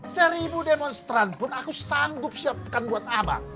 seribu demonstran pun aku sanggup siapkan buat abang